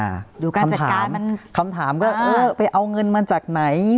อ่าอยู่การจัดการมันคำถามคำถามก็เออไปเอาเงินมาจากไหน